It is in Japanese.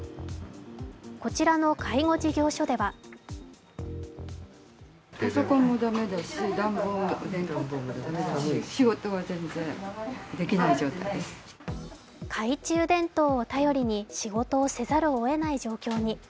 こちらの介護事業所では懐中電灯を頼りに仕事をせざるをえない状況に。